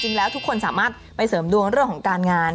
ทุกคนสามารถไปเสริมดวงเรื่องของการงาน